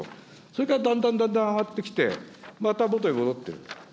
それからだんだんだんだん上がってきて、またもとへ戻ってる。